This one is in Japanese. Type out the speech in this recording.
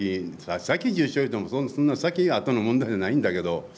先、１０勝言ってもそんな先、あとの問題じゃないんだけど。